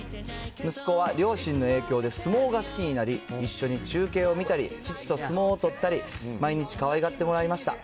息子は両親の影響で相撲が好きになり、一緒に中継を見たり、父と相撲を取ったり、毎日かわいがってもらいました。